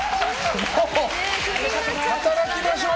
働きましょう。